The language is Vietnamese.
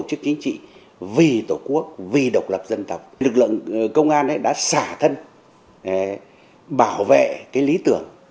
tổ chức chính trị vì tổ quốc vì độc lập dân tộc lực lượng công an đã xả thân bảo vệ cái lý tưởng